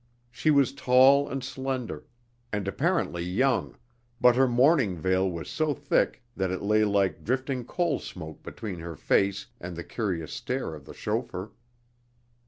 She was tall and slender, and apparently young, but her mourning veil was so thick that it lay like drifting coal smoke between her face and the curious stare of the chauffeur.